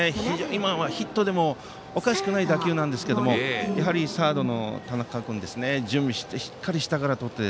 今のはヒットでもおかしくない打球なんですが、やはりサードの田中君が準備して下からとって。